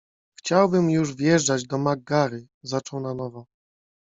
- Chciałbym, już wjeżdżać do MacGurry - zaczął na nowo.